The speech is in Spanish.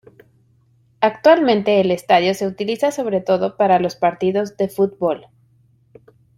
Actualmente el estadio se utiliza sobre todo para los partidos de fútbol.